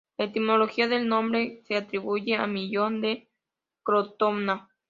La etimología del nombre se atribuye a Milón de Crotona.